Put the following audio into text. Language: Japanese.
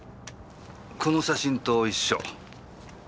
この写真と一緒。